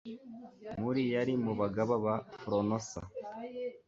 mu yari mu bagaba ba fronosa